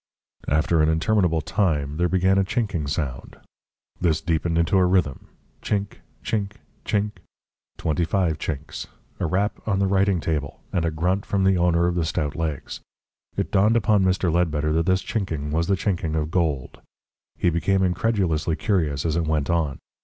After an interminable time, there began a chinking sound. This deepened into a rhythm: chink, chink, chink twenty five chinks a rap on the writing table, and a grunt from the owner of the stout legs. It dawned upon Mr. Ledbetter that this chinking was the chinking of gold. He became incredulously curious as it went on.